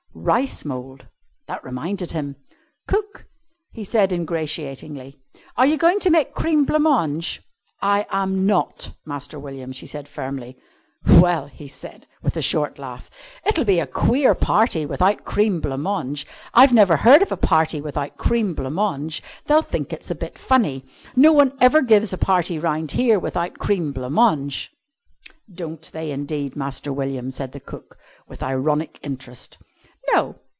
Rice mould! That reminded him. "Cook," he said ingratiatingly, "are you going to make cream blanc mange?" "I am not, Master William," she said firmly. "Well," he said, with a short laugh, "it'll be a queer party without cream blanc mange! I've never heard of a party without cream blanc mange! They'll think it's a bit funny. No one ever gives a party round here without cream blanc mange!" "Don't they indeed, Master William," said cook, with ironic interest. "No.